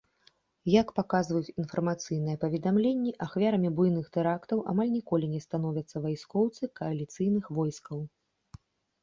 Як паказваюць інфармацыйныя паведамленні, ахвярамі буйных тэрактаў амаль ніколі не становяцца вайскоўцы кааліцыйных войскаў.